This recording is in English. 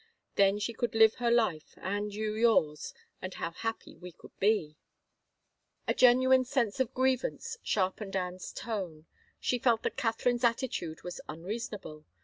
Then she could live her life and you yours — and how happy we could be !" A genuine sense of grievance sharpened Anne's tone. She felt that Catherine's attitude was unreasonable.